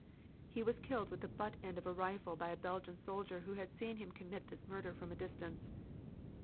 He was killed with the butt end of a rifle by a Belgian soldier who had seen him commit this murder from a distance.